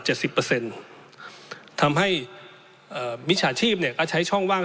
สิบเปอร์เซ็นต์ทำให้เอ่อมิจฉาชีพเนี่ยก็ใช้ช่องว่าง